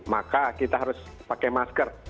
maka kita harus pakai masker